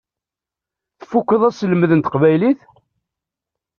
Tfukkeḍ aselmed n teqbaylit?